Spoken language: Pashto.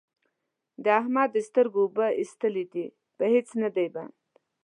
د احمد د سترګو اوبه اېستلې دي؛ په هيڅ نه دی بند،